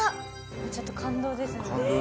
ちょっと感動ですね。